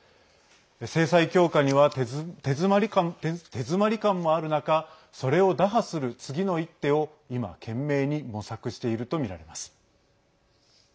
制裁強化には手詰まり感もある中それを打破する次の一手を今、懸命に模索しているとみられます。